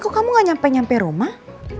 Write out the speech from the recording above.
kok kamu gak nyampe nyampe rumah